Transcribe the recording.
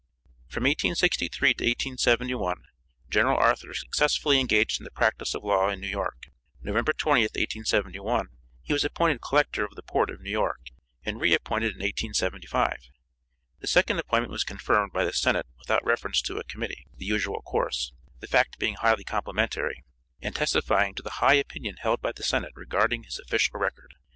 From 1863 to 1871 General Arthur successfully engaged in the practice of law in New York. November 20th, 1871, he was appointed collector of the port of New York, and re appointed in 1875. The second appointment was confirmed by the Senate without reference to a committee, the usual course, the fact being highly complimentary, and testifying to the high opinion held by the Senate regarding his official record.